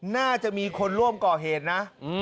น่าจะมีคนร่วมก่อเหตุนะ